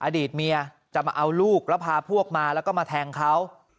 อดีตเมียจะมาเอาลูกแล้วพาพวกมาแล้วก็มาแทงเขา